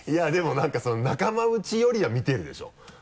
何かその仲間内よりは見てるでしょ。